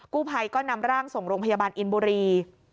กู้ภัยก็นำร่างส่งโรงพยาบาลอินบุรี